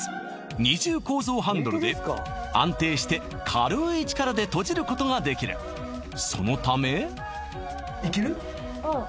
二重構造ハンドルで安定して軽い力でとじることができるそのためいける？